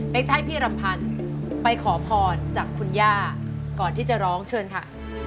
เป็นไขพี่รำพันไปขอผ่อนจากคุณย่าก่อนที่จะร้องเชิญค่ะ